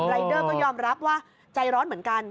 เดอร์ก็ยอมรับว่าใจร้อนเหมือนกัน